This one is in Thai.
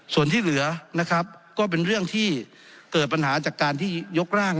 ส่วนที่เหลือนะครับก็เป็นเรื่องที่เกิดปัญหาจากการที่ยกร่าง